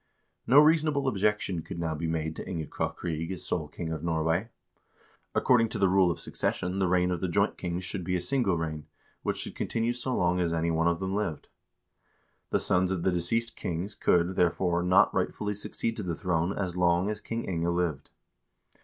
No reasonable objection could now be made to Inge Krokryg as sole king of Norway. According to the rule of succession the reign of the joint kings should be a single reign, which should continue so long as any one of them lived. The sons of the deceased kings could, therefore, not rightfully succeed to the throne as long as King Inge lived.